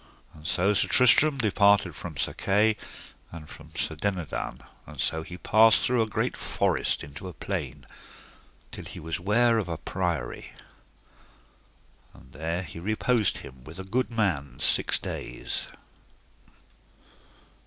And so Sir Tristram departed from Sir Kay, and from Sir Dinadan, and so he passed through a great forest into a plain, till he was ware of a priory, and there he reposed him with a good man six days.